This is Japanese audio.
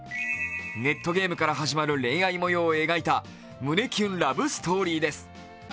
ネットゲームから始まる恋愛模様を描いた胸キュンラブストーリーです。